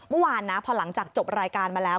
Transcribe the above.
เมื่อวานนะพอหลังจากจบรายการมาแล้ว